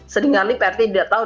sedingali prt tidak tahu